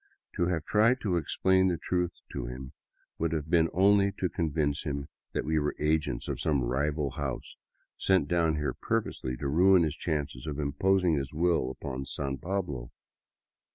To have tried to explain the truth to him would have been only to convince him that we were agents of some rival house, sent down here purposely to ruin his chances of imposing his will upon San Pablo.